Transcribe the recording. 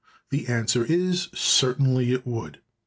The answer is, certainly it would.